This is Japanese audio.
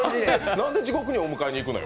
なんで地獄にお迎えに行くのよ？